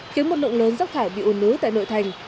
khiến một lượng lớn giác khải bị u nứ tại nội thành